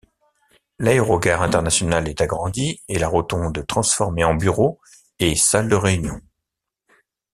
L'aérogare internationale est agrandie et la rotonde transformée en bureaux et salle de réunions.